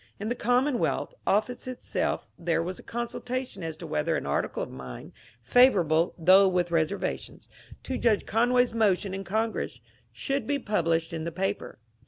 In the ^^ G>mmonwealth " office itself there was a consultation as to whether an article of mine, favourable (though with reservations) to Judge Conway's motion in Con gress, should be published in the paper.